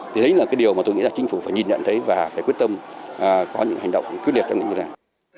thì đấy là cái điều mà tôi nghĩ là chính phủ phải nhìn nhận thấy và phải quyết tâm có những hành động quyết liệt trong những điều này